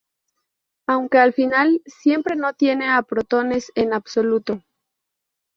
Aunque al final, siempre no tiene a protones en absoluto.